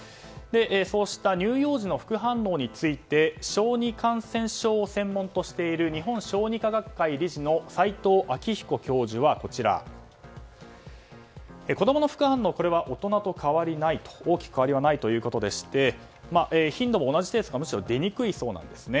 そうした乳幼児の副反応について小児感染症を専門としている日本小児科学会理事の齋藤昭彦教授は子供の副反応、これは大人と大きく変わりはないということでして頻度も同じかむしろ出にくいそうです。